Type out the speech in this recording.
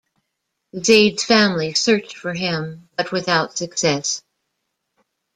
Zayd's family searched for him, but without success.